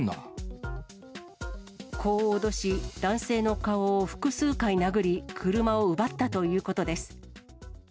こう脅し、男性の顔を複数回殴り、車を奪ったということです。